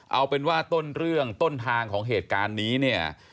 เอาเป็นว่าต้นเรื่องต้นทางของเหตุการณ์นี้เนี่ย